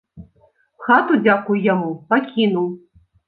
Хату, дзякуй яму, пакінуў.